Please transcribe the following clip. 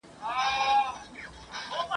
نن دي واری د عمل دی قدم اخله روانېږه ..